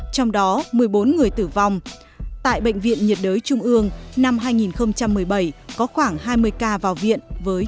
trong đó một mươi bốn người tử vong tại bệnh viện nhiệt đới trung ương năm hai nghìn một mươi bảy có khoảng hai mươi ca vào viện